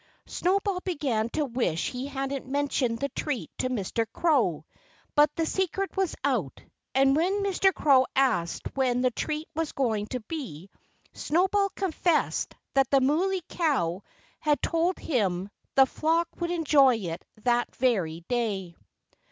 Snowball began to wish he hadn't mentioned the treat to Mr. Crow. But the secret was out. And when Mr. Crow asked when the treat was going to be Snowball confessed that the Muley Cow had told him the flock would enjoy it that very day.